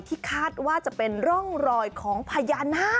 คาดว่าจะเป็นร่องรอยของพญานาค